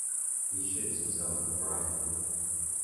He ships himself on Friday.